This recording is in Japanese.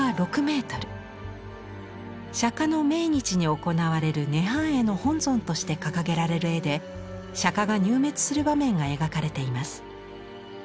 釈迦の命日に行われる「涅槃会」の本尊として掲げられる絵で釈迦が入滅する場面が描かれています。